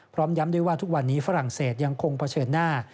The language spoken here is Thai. พร้อมย้ำด้วยว่าทุกวันนี้ฝรั่งเศสยังคงเผชิญหน้า